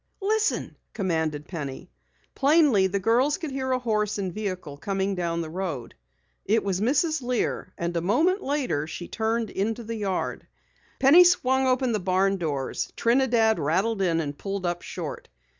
"Listen!" commanded Penny. Plainly the girls could hear a horse and vehicle coming down the road. It was Mrs. Lear, and a moment later she turned into the yard. Penny swung open the barn doors. Trinidad rattled in and pulled up short.